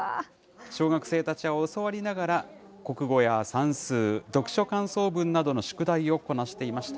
小学生たちは教わりながら、国語や算数、読書感想文などの宿題をこなしていました。